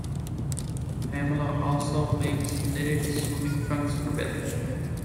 Pamela also makes knitted swimming trunks for Billy.